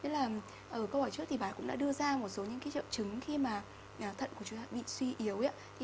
câu hỏi trước bà cũng đã đưa ra một số trợ chứng khi mà thận của chúng ta bị suy yếu